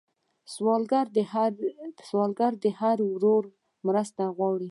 سوالګر د هر یو ورور مرسته غواړي